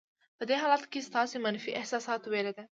په دې حالت کې ستاسې منفي احساسات وېره ده.